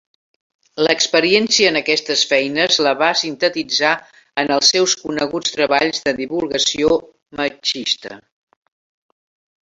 L'experiència en aquestes feines la va sintetitzar en els seus coneguts treballs de divulgació marxista.